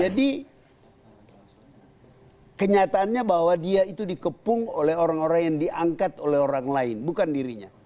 jadi kenyataannya bahwa dia itu dikepung oleh orang orang yang diangkat oleh orang lain bukan dirinya